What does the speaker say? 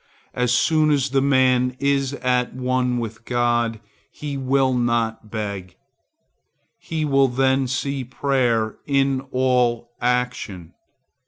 As soon as the man is at one with God, he will not beg. He will then see prayer in all action.